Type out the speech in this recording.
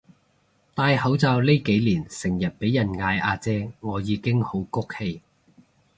戴口罩呢幾年成日畀人嗌阿姐我已經好谷氣